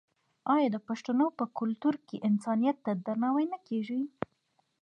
آیا د پښتنو په کلتور کې انسانیت ته درناوی نه کیږي؟